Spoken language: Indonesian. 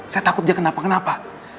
saya takut dia kenapa kenapa